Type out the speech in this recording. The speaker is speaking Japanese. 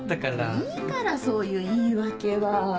もういいからそういう言い訳は。